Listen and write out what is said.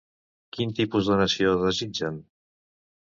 Quin tipus de nació desitgen?